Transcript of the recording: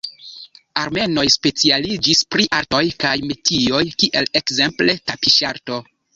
Armenoj specialiĝis pri artoj kaj metioj kiel ekzemple tapiŝarto.